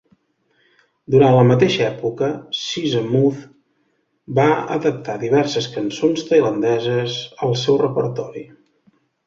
Durant la mateixa època, Sisamouth va adaptar diverses cançons tailandeses al seu repertori.